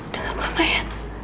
dengar mama ya